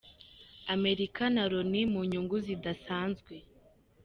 Amerika na Loni mu nyungu zidasanzwe.